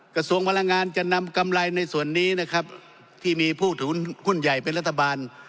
กระทรวงพลังงานจะนำกำไรในส่วนนี้นะครับที่มีผู้ถือหุ้นใหญ่เป็นรัฐบาล